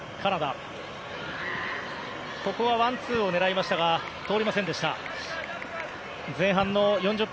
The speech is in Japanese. ここはワンツーを狙いましたが通りませんでした。